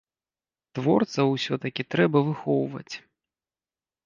Творцаў усё-такі трэба выхоўваць.